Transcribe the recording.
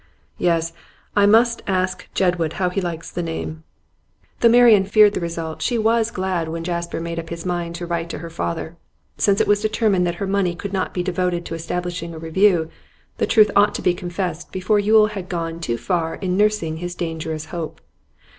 'Yes, I must ask Jedwood how he likes the name.' Though Marian feared the result, she was glad when Jasper made up his mind to write to her father. Since it was determined that her money could not be devoted to establishing a review, the truth ought to be confessed before Yule had gone too far in nursing his dangerous hope.